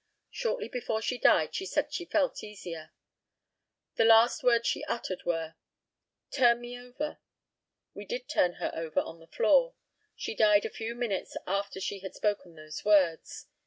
Shortly before she died she said she felt easier. The last words she uttered were "Turn me over." We did turn her over on the floor. She died a very few minutes after she had spoken those words.